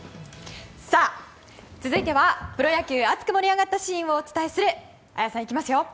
続いてはプロ野球熱く盛り上がったシーンをお伝えする綾さん、いきますよ。